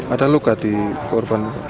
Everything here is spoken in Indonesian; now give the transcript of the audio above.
ada luka di korban